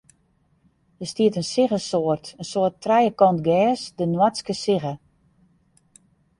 Dêr stiet in siggesoart, in soart trijekant gers, de noardske sigge.